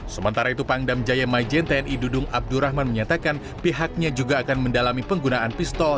sementara itu pangdam jaya majen tni dudung abdurrahman menyatakan pihaknya juga akan mendalami penggunaan pistol